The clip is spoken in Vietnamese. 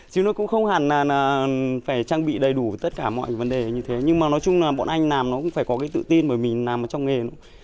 chứ nó cũng không hẳn là phải trang bị đầy đủ tất cả mọi vấn đề như thế nhưng mà nói chung là bọn anh làm nó cũng phải có cái tự tin bởi mình làm ở trong nghề nữa